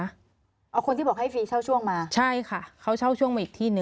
เอาคนที่บอกให้ฟรีเช่าช่วงมาใช่ค่ะเขาเช่าช่วงมาอีกที่หนึ่ง